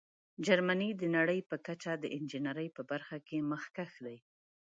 جرمني د نړۍ په کچه د انجینیرۍ په برخه کې مخکښ دی.